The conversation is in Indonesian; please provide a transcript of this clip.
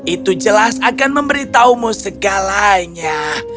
itu jelas akan memberitahumu segalanya